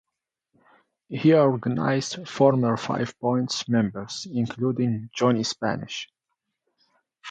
He organized former Five Points members, including Johnny Spanish.